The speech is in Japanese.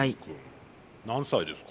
何歳ですか？